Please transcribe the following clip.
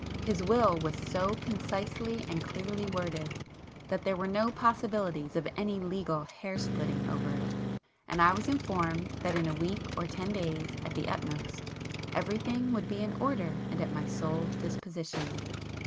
His will was so concisely and clearly worded that there were no possibilities of any legal hair splitting over it,—and I was informed that in a week or ten days at the utmost everything would be in order and at my sole disposition.